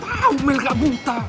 kamu kan tau ngomel gak buta